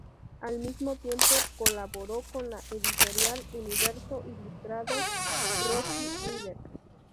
Al mismo tiempo, colaboró con la editorial Universo, ilustrando "Rocky Rider".